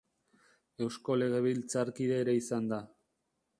Eusko legebiltzarkide ere izan da.